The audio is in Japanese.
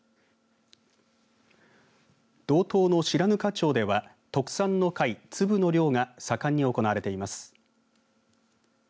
道東の白糠町では特産の貝つぶの漁が盛んに行われています。